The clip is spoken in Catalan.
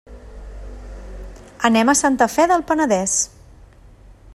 Anem a Santa Fe del Penedès.